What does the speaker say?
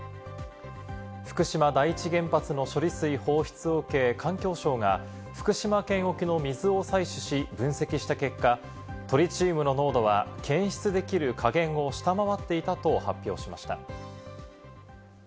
福島第一原発の処理水放出を受け、環境省が福島県沖の水を採取し、分析した結果、トリチウムの濃度は検出できる下限を下回っていたと発表しました。